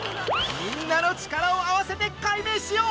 みんなの力を合わせて解明しよう。